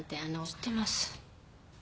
知ってます。